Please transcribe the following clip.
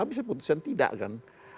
bisa putusan tidak kan